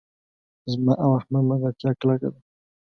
زما او احمد ملګرتیا کلکه ده.